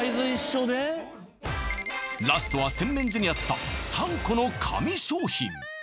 ラストは洗面所にあった３個の神商品